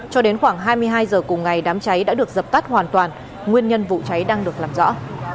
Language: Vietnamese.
cho đến khoảng hai mươi hai h cùng ngày đám cháy đã được dập tắt hoàn toàn nguyên nhân vụ cháy đang được làm rõ